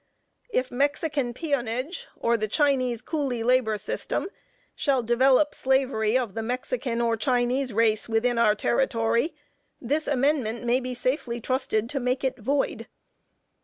If Mexican peonage, or the Chinese cooley labor system shall develop slavery of the Mexican or Chinese race within our territory, this amendment may be safely trusted to make it void."